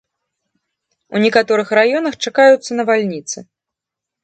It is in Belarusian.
У некаторых раёнах чакаюцца навальніцы.